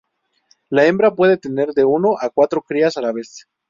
La hembra puede tener de uno a cuatro crías a la vez.